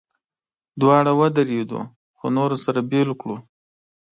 دواړه ودرېدل، خو نورو سره بېل کړل.